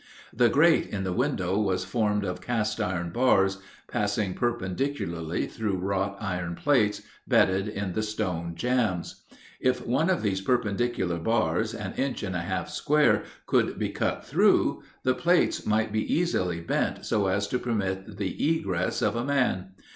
The grate in the window was formed of cast iron bars, passing perpendicularly through wrought iron plates, bedded in the stone jambs. If one of these perpendicular bars, an inch and a half square, could be cut through, the plates might be easily bent so as to permit the egress of a man.